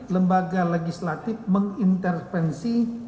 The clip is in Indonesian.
lembaga legislatif mengintervensi